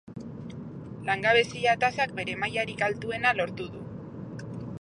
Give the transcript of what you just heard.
Langabezia tasak bere mailarik altuena lortu du.